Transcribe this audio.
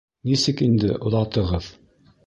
— Нисек инде оҙатығыҙ?!